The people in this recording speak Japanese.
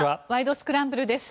スクランブル」です。